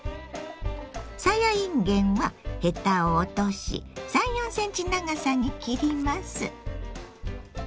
さやいんげんはヘタを落とし３４ｃｍ長さに切ります。